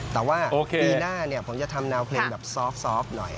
แต่ว่าปีหน้าผมจะทำแนวเพลงแบบซอฟต์หน่อย